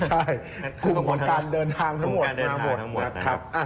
ใช่คือผลการเดินทางทั้งหมดมาหมดครับ